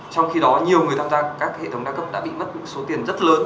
trong khi đó nhiều người tham gia các hệ thống đa cấp đã bị mất số tiền rất lớn